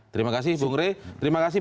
terima kasih bung rey terima kasih